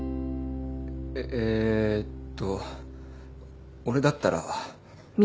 えーっと俺だったら。